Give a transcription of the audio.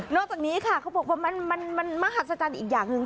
นอกจากนี้ค่ะมันมหัศจรรย์อีกอย่างหนึ่ง